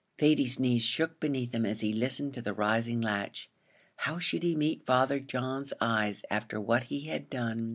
Thady's knees shook beneath him as he listened to the rising latch. How should he meet Father John's eyes after what he had done?